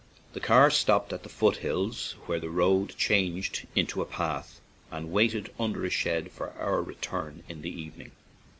The car stopped at the foot hills, where the road changed into a path, and waited under a shed for our return in the even ing.